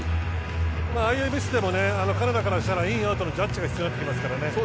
ああいうミスでもカナダからしたらイン・アウトのジャッジが必要になってきますからね。